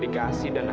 yang lainnya ya mbak